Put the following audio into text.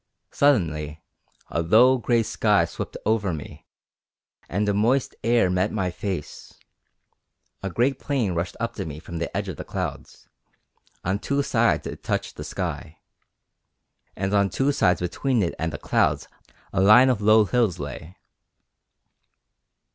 Suddenly a low grey sky swept over me and a moist air met my face; a great plain rushed up to me from the edge of the clouds; on two sides it touched the sky, and on two sides between it and the clouds a line of low hills lay.